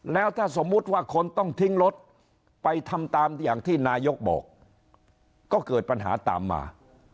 แล้วถ้าสมมุติว่าคนต้องทิ้งรถไปทำตามอย่างที่นายกบอกก็เกิดปัญหาตามมา